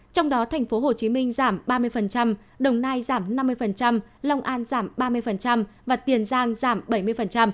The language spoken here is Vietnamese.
trong đó thành phố hồ chí minh giảm ba mươi đồng nai giảm năm mươi long an giảm ba mươi và tiền giang giảm bảy mươi